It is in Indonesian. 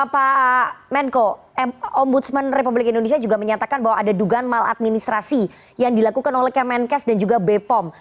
pak menko ombudsman republik indonesia juga menyatakan bahwa ada dugaan maladministrasi yang dilakukan oleh kemenkes dan juga bepom